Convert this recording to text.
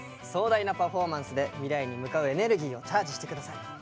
壮大なパフォーマンスで未来に向かうエネルギーをチャージして下さい。